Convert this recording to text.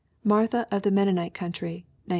Martha of the Mennonite Country, 1915.